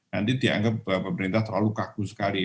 nanti dianggap bahwa pemerintah terlalu kagu sekali